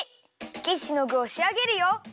キッシュのぐをしあげるよ。